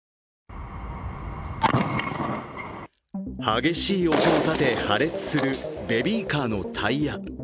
激しい音を立て破裂するベビーカーのタイヤ。